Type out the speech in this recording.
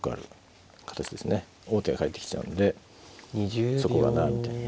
王手が返ってきちゃうんでそこがなあみたいなね。